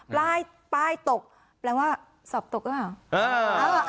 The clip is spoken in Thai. ป้ายป้ายตกแปลงว่าสับตกหรือเปล่าอ่า